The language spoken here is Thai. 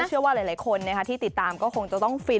เชื่อว่าหลายคนที่ติดตามก็คงจะต้องฟิน